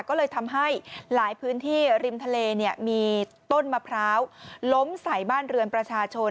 ก็เลยทำให้หลายพื้นที่ริมทะเลเนี่ยมีต้นมะพร้าวล้มใส่บ้านเรือนประชาชน